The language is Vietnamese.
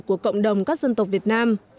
của cộng đồng các dân tộc việt nam